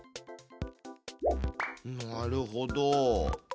なるほど。